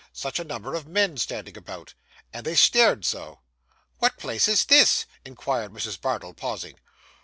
Such a number of men standing about! And they stared so! 'What place is this?' inquired Mrs. Bardell, pausing.